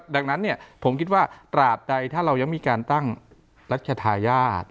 ดังนั้นผมคิดว่าตราบใดถ้าเรายังมีการตั้งรัชธาญาติ